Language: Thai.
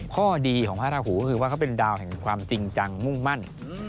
ข้อดีของพระราหูก็คือว่าเขาเป็นดาวแห่งความจริงจังมุ่งมั่น